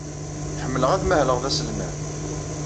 Ḥemmleɣ ad mahleɣ d aselmad.